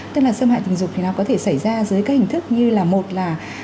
tức là xâm hại tình dục thì nó có thể xảy ra dưới các hình thức như là một là